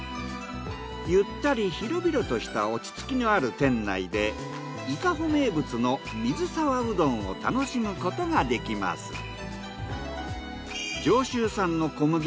ゆったり広々とした落ち着きのある店内で伊香保名物の水沢うどんを楽しむことができます。